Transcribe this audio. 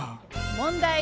問題。